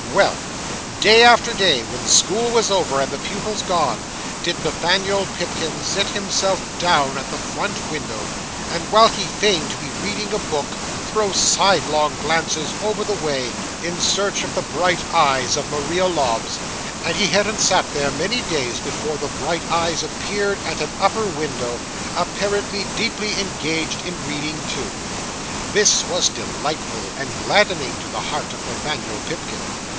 'Well! Day after day, when school was over, and the pupils gone, did Nathaniel Pipkin sit himself down at the front window, and, while he feigned to be reading a book, throw sidelong glances over the way in search of the bright eyes of Maria Lobbs; and he hadn't sat there many days, before the bright eyes appeared at an upper window, apparently deeply engaged in reading too. This was delightful, and gladdening to the heart of Nathaniel Pipkin.